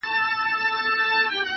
ګورستان ته مي ماشوم خپلوان لېږلي،